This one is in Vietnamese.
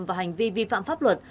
và hành vi vi phạm pháp luật